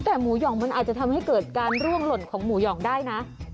แต่หมูหย่องมันอาจจะทำให้เกิดการร่วงหล่นของหมูหย่องได้นะ